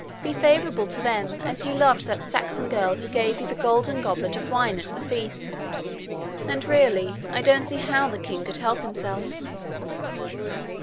Be favourable to them, as you loved that Saxon girl who gave you the golden goblet of wine at the feast!' And, really, I don't see how the King could help himself.